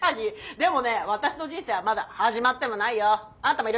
でもね私の人生はまだ始まってもないよ。あんたもいる？